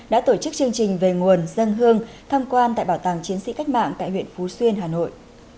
đã tổ chức chương trình về nguồn dân hương tham quan tại bảo tàng chiến sĩ cách mạng tại huyện phú xuyên hà nội